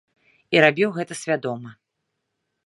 І рабіў гэта свядома.